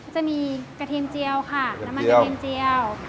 จะมีกระเทียมเจียวค่ะน้ำมันกระเทียมเจียว